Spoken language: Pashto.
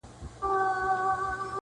• ښکاري زرکي ته اجل کړی کمین وو -